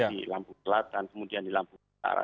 di lampung selatan kemudian di lampung utara